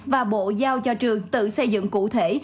và bộ giao cho trường tự xây dựng cụ thể